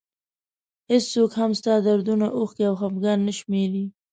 هېڅوک هم ستا دردونه اوښکې او خفګان نه شمېري.